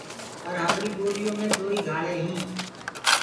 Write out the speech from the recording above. پر همري ٻوليو مي دوئي گھآݪينٚ هينٚ۔